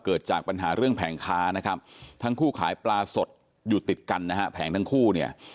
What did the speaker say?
เกิดจากปัญหาเรื่องแผงค้านะครับทั้งคู่ขายปลาสดอยู่ติดกันนะฮะแผงทั้งคู่เนี่ย